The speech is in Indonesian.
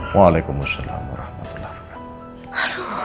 waalaikumsalam warahmatullahi wabarakatuh